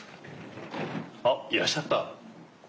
あっいらっしゃった。